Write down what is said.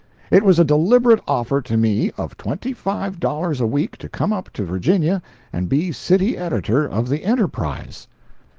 ] It was a deliberate offer to me of Twenty Five Dollars a week to come up to Virginia and be city editor of the Enterprise.